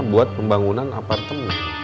buat pembangunan apartemen